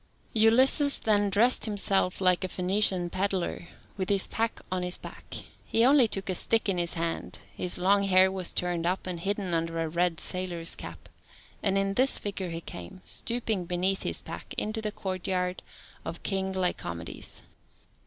Ulysses then dressed himself like a Phoenician pedlar, with his pack on his back: he only took a stick in his hand, his long hair was turned up, and hidden under a red sailor's cap, and in this figure he came, stooping beneath his pack, into the courtyard of King Lycomedes.